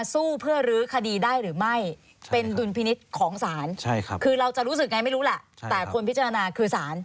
สู้เพื่อรื้อคดีได้หรือไม่เป็นดุลพินิษฐ์ของศาลคือเราจะรู้สึกไงไม่รู้แหละแต่คนพิจารณาคือสาร